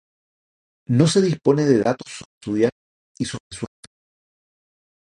No se dispone de datos sobre su diámetro y sobre su albedo.